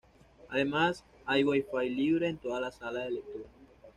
Además hay Wifi libre en toda la sala de lectura.